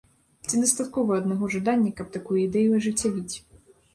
Ці дастаткова аднаго жадання, каб такую ідэю ажыццявіць?